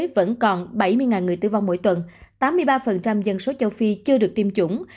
vẫn còn bảy mươi người tử vong mỗi tuần tám mươi ba dân số châu phi chưa được tiêm chủng